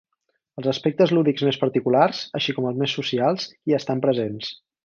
Els aspectes lúdics més particulars així com els més socials hi estan presents.